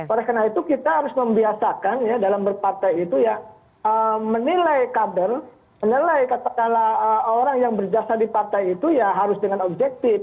oleh karena itu kita harus membiasakan ya dalam berpartai itu ya menilai kader menilai katakanlah orang yang berjasa di partai itu ya harus dengan objektif